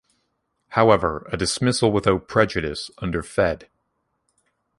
However, a dismissal without prejudice under Fed.